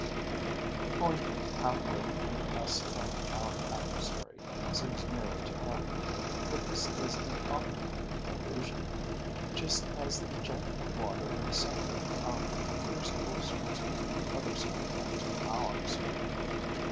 The point half way between us and our adversary seems nearer to him; but this is an optical delusion, just as the jet of water in the centre of a fountain appears closer to the other side than to ours.